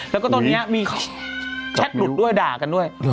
แล้วก็ตอนนี้มีแชทหลุดด้วยด่ากันด้วย